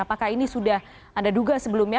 apakah ini sudah anda duga sebelumnya